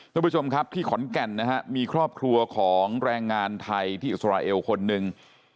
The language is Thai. ทุกผู้ชมครับที่ขอนแก่นนะฮะมีครอบครัวของแรงงานไทยที่อิสราเอลคนหนึ่ง